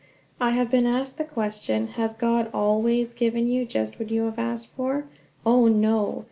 _" I have been asked the question: "Has God always given you just what you have asked for?" Oh, no!